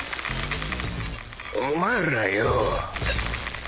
お前らよお。